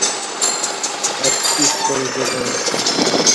اتکی سکال جوکوع اسی۔